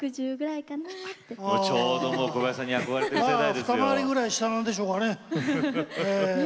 二回りぐらい下なんでしょうかね。